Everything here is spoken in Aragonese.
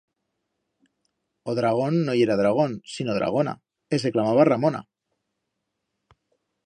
O dragón no yera dragón, sino dragona, e se clamaba Ramona.